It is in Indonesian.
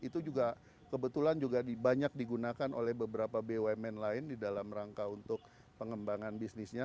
itu juga kebetulan juga banyak digunakan oleh beberapa bumn lain di dalam rangka untuk pengembangan bisnisnya